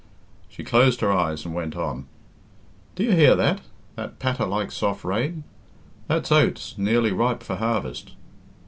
She closed her eyes and went on: "Do you hear that that patter like soft rain? That's oats nearly ripe for harvest.